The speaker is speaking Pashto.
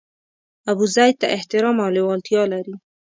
ابوزید ته احترام او لېوالتیا لري.